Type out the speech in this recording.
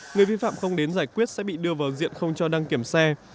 người vi phạm không đến giải quyết sẽ bị đưa vào diện không cho đăng kiểm xe